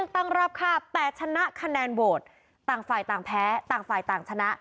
ต่างฝ่ายต่างแพ้ต่างฝ่ายต่างชนะ